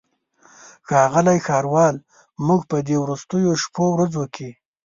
ښاغلی ښاروال موږ په دې وروستیو شپو ورځو کې.